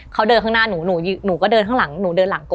เขาเดินข้างหน้าหนูหนูก็เดินข้างหลังหนูเดินหลังก่อน